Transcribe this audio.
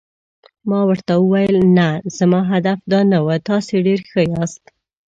ما ورته وویل: نه، زما هدف دا نه و، تاسي ډېر ښه یاست.